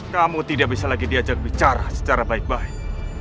kamu tidak bisa lagi diajak bicara secara baik baik